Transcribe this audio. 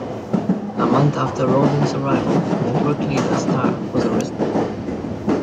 A month after Rowden's arrival, network leader Starr was arrested.